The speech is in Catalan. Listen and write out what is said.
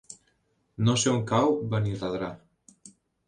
No sé on cau Benirredrà.